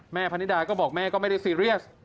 พนิดาก็บอกแม่ก็ไม่ได้ซีเรียส